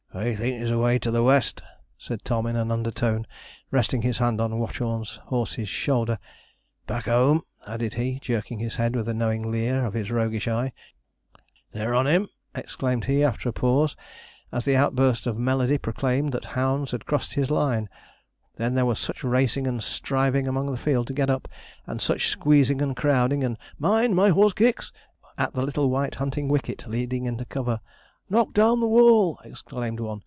'I think he's away to the west,' said Tom in an undertone, resting his hand on Watchorn's horse's shoulder; 'back home,' added he, jerking his head with a knowing leer of his roguish eye. 'They're on him!' exclaimed he after a pause, as the outburst of melody proclaimed that the hounds had crossed his line. Then there was such racing and striving among the field to get up, and such squeezing and crowding, and 'Mind, my horse kicks!' at the little white hunting wicket leading into cover. 'Knock down the wall!' exclaimed one.